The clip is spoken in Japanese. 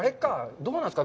どうなんですか。